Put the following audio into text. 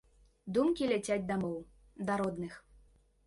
Думкі ляцяць дамоў, да родных.